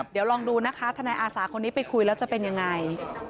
เดี๋ยวลองดูนะคะทนายอาสาคนนี้ไปคุยแล้วจะเป็นยังไง